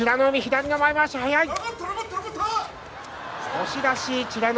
押し出し、美ノ